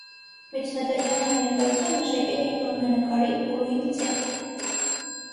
Միջնադարյան հայ նկարիչները մշակել էին որմնանկարի ուրույն տեխնիկա։